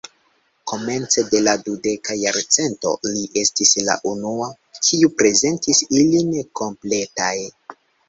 Komence de la dudeka jarcento li estis la unua, kiu prezentis ilin kompletaj.